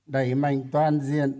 đẩy mạnh toàn diện